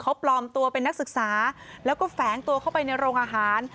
เขาปลอมตัวเป็นนักศึกษาแล้วก็แฝงตัวเข้าไปในโรงอาหาร